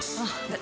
え。